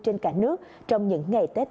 trên cả nước trong những ngày tết